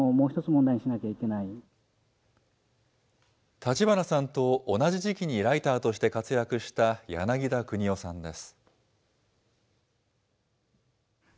立花さんと同じ時期にライターとして活躍した柳田邦男さんです。